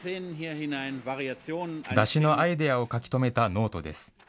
山車のアイデアを書き留めたノートです。